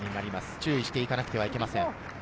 注意していかなければいけません。